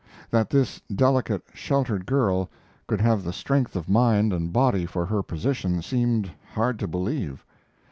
That this delicate, sheltered girl could have the strength of mind and body for her position seemed hard to believe.